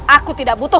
aku tidak butuh